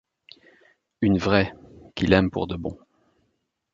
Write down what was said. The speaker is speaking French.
Une vraie, qui l’aime pour de bon.